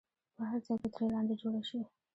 په هر ځای کې ترې لانجه جوړه شي.